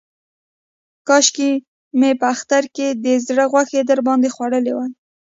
کاشکې مې په اختر کې د زړه غوښې در باندې خوړلې وای.